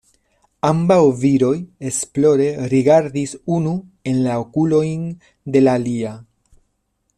Ambaŭ viroj esplore rigardis unu en la okulojn de la alia.